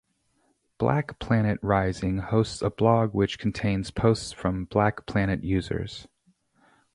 BlackPlanet Rising hosts a blog which contains posts from BlackPlanet users.